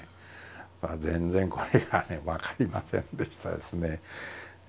それが全然これがね分かりませんでしたですね。